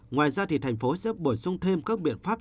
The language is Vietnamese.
ngoài ra thì thành phố sẽ bổ sung thêm các biện pháp